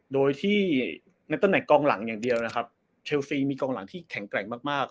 โดยที่ในตำแหน่งกองหลังอย่างเดียวนะครับเชลซีมีกองหลังที่แข็งแกร่งมาก